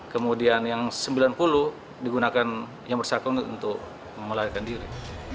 kemudian yang sembilan puluh digunakan yang bersangkutan untuk melarikan diri